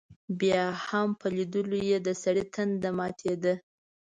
بیا هم په لیدلو یې دسړي تنده ماتېده.